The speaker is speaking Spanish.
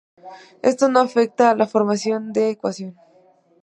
Esto no afecta a la forma de ecuación.